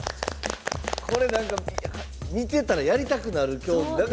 これ、なんか、見てたらやりたくなる競技。